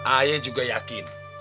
ayah juga yakin